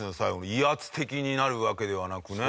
威圧的になるわけではなくね。